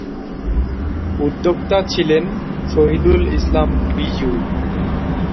উদ্যোক্তা ছিলেন শহিদুল ইসলাম বিজু।